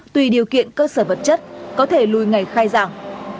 tùy điều kiện cơ sở vật chất có thể lùi ngày khai giảng